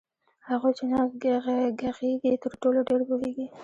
هغوئ چي نه ږغيږي ترټولو ډير پوهيږي